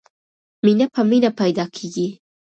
مینه په مینه پیدا کېږي.